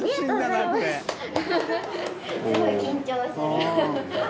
すごい緊張する。